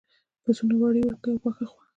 پسونه وړۍ ورکوي او غوښه.